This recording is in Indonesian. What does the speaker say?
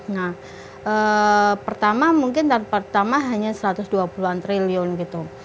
nah pertama mungkin target pertama hanya satu ratus dua puluh an triliun gitu